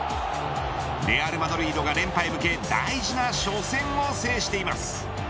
レアルマドリードが連覇へ向け大事な初戦を制しています。